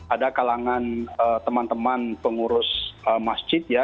ada kalangan teman teman pengurus masjid ya